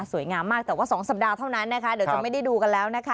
สวยงามมากแต่ว่า๒สัปดาห์เท่านั้นนะคะเดี๋ยวจะไม่ได้ดูกันแล้วนะคะ